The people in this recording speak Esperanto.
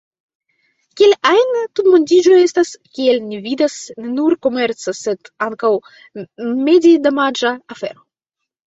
Kiel ajn, tutmondiĝo estas, kiel ni vidas, ne nur komerca sed ankaŭ medidamaĝa afero.